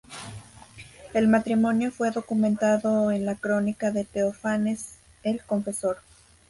El matrimonio fue documentado en la crónica de Teófanes el Confesor.